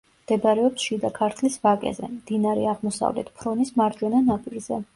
მდებარეობს შიდა ქართლის ვაკეზე, მდინარე აღმოსავლეთ ფრონის მარჯვენა ნაპირზე.